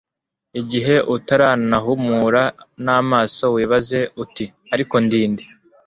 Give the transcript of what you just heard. igihe utaranahumura n'amaso wibaze uti ariko ndi nde